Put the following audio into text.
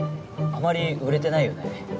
あまり売れてないよね。